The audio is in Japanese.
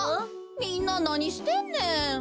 みんななにしてんねん。